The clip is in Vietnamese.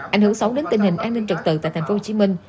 ảnh hưởng xấu đến tình hình an ninh trật tự tại tp hcm